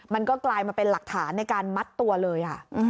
มันก็กลายมาเป็นหลักฐานในการมัดตัวเลยค่ะ